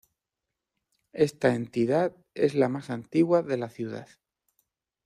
Esta entidad es la más antigua de la Ciudad.